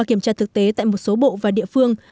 qua kiểm tra thực tế tại một số bộ và địa phương